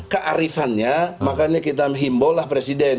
kearifannya makanya kita himbol lah presiden